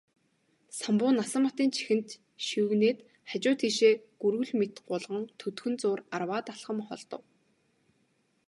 Самбуу Насанбатын чихэнд шивгэнээд хажуу тийшээ гүрвэл мэт гулган төдхөн зуур арваад алхам холдов.